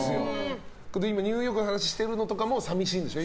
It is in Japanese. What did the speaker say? ニューヨークの話してるのとかさみしいんでしょう？